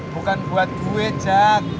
bukan buat gue jack